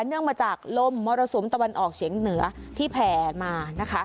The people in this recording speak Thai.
เนื่องมาจากลมมรสุมตะวันออกเฉียงเหนือที่แผ่มานะคะ